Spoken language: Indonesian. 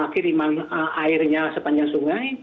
kiriman airnya sepanjang sungai